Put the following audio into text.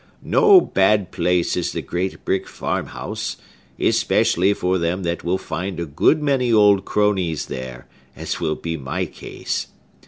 "No bad place is the great brick farm house, especially for them that will find a good many old cronies there, as will be my case.